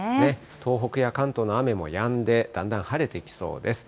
東北や関東の雨もやんで、だんだん晴れてきそうです。